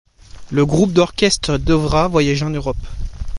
Le groupe d’orchestre devra voyager en Europe.